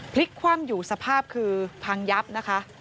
พลิกคว่ำอยู่สภาพคือพังยับนะคะ